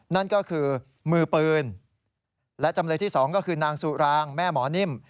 นั่นก็คือมือปืนและจำเลยที่๒ก็คือนางสุรางแม่หมอนิ่ม